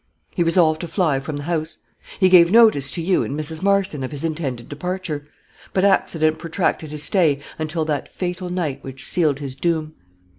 He resolved to fly from the house. He gave notice to you and Mrs. Marston of his intended departure; but accident protracted his stay until that fatal night which sealed his doom.